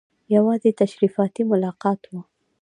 یوازې تشریفاتي ملاقات وو.